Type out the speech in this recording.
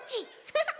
ハハッ！